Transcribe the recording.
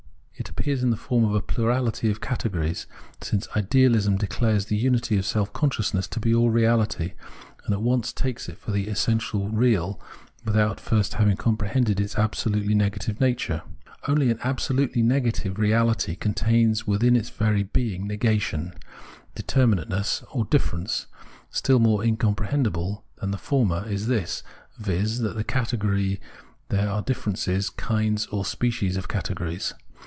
It appears in the form of a plurality of categories. Since ideahsm declares the miity of self consciousness to be all reahty, and at once takes it for the essentially real without fii'st having comprehended its absolutely negative natiu:e, — only an absolutely negative reahty contains within its very being negation, determinate ness, or difference, — still more incomprehensible than the former is this. auz. that in the category there are differences, kinds or species of categories.